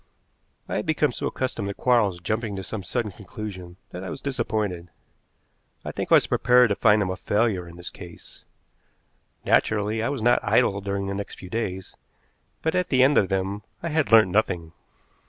I had become so accustomed to Quarles jumping to some sudden conclusion that I was disappointed. I think I was prepared to find him a failure in this case. Naturally I was not idle during the next few days, but at the end of them I had learnt nothing.